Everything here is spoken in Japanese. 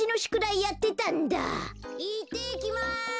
・いってきます！